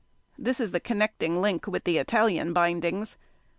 This is the connecting link with the Italian bindings.